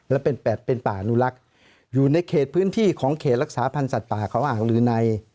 และเป็นป่าอนุรักษ์อยู่ในเขตพื้นที่ของเขตรักษาพันธ์สัตว์ป่าเขาอ่างลือใน